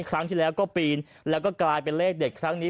ครั้งที่แล้วก็ปีนแล้วก็กลายเป็นเลขเด็ดครั้งนี้